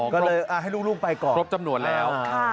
ก็เลยให้ลูกไปก่อนครบจำนวนแล้ว